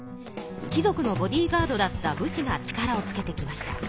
貴族のボディーガードだった武士が力をつけてきました。